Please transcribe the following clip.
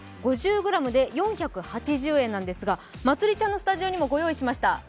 ５０ｇで４８０円なんですがまつりちゃんのスタジオにもご用意しました。